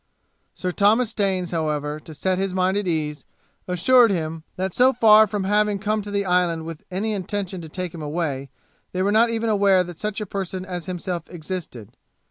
Sir Thomas Staines, however, to set his mind at ease, assured him, that so far from having come to the island with any intention to take him away, they were not even aware that such a person as himself existed.